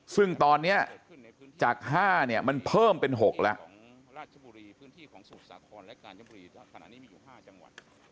ซึ่งตอนนี้จาก๕เนี่ยมันเพิ่มเป็น๖แล้ว